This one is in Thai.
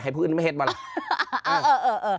ให้ผู้อื่นมาเฮดบ้าง